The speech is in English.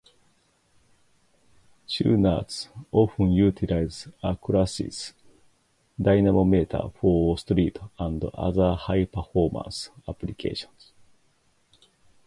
Tuners often utilize a chassis dynamometer for street and other high performance applications.